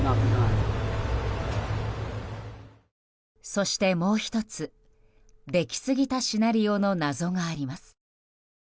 そして、もう１つできすぎたシナリオの謎があります。